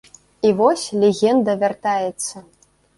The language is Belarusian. І вось, легенда вяртаецца!